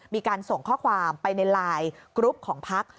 มีการส่งข้อความไปในไลน์กรุ๊ปของพัก